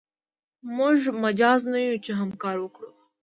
موږ مجاز نه یو چې همکاري وکړو.